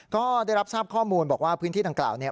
ก็ได้รับทราบข้อมูลบอกว่าพื้นที่ดังกล่าวเนี่ย